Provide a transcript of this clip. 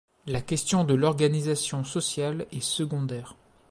La question de l’organisation sociale est secondaire.